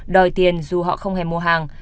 đòi tiền dù họ không hề mua hàng